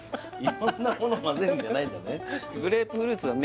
色んなもの混ぜるんじゃないんだね